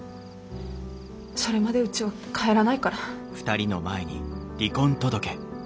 それまでうちは帰らないから。